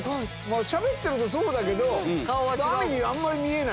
しゃべってるとそうだけど亜美にあんまり見えない。